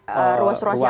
ruas ruas jalan utama